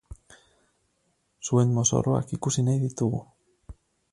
Zuen mozorroak ikusi nahi ditugu!